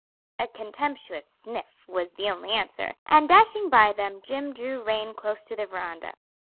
A contemptuous sniff was the only answer, and dashing by them, Jim drew rein close to the veranda.